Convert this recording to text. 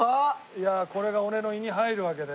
いやあこれが俺の胃に入るわけだよね。